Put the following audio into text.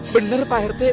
bener pak rt